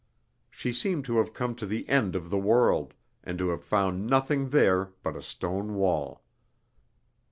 She seemed to have come to the end of the world, and to have found nothing there but a stone wall.